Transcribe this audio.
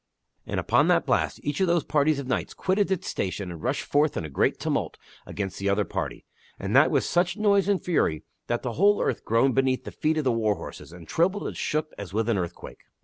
And, upon that blast, each of those parties of knights quitted its station and rushed forth in great tumult against the other party, and that with such noise and fury that the whole earth groaned beneath the feet of the war horses, and trembled and shook as with an earthquake.